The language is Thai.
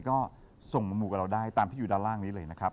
ก็ส่งมาหมู่กับเราได้ตามที่อยู่ด้านล่างนี้เลยนะครับ